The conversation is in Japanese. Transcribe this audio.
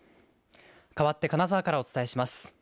かわって金沢からお伝えします。